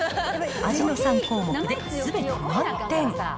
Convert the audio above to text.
味の３項目ですべて満点。